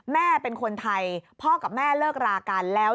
แม่เป็นคนไทยพ่อกับแม่เลิกรากันแล้ว